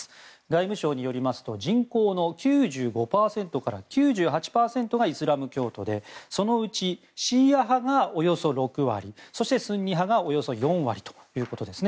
内務省によりますと人口の９５％から９８％がイスラム教徒でそのうち、シーア派がおよそ６割そしてスンニ派がおよそ４割ということです。